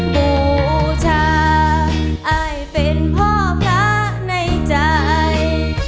บูชาอายเป็นพ่อพระในใจ